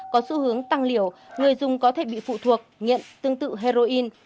có xu hướng tăng liều người dùng có thể bị phụ thuộc nhiện tương tự heroin